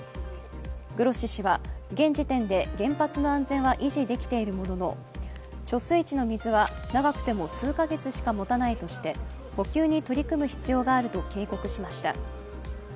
グロッシ氏は現時点で原発の安全は維持できているものの貯水池の水は長くても数か月しかもたないとして補給に取り組む必要があると警告しました。